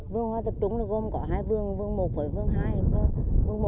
vườn hoa tập trung gồm có hai vườn vườn một và vườn hai